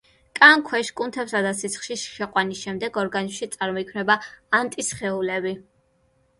კანქვეშ, კუნთებსა ან სისხლში შეყვანის შემდეგ ორგანიზმში წარმოიქმნება ანტისხეულები.